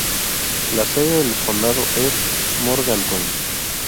La sede del condado es Morgantown.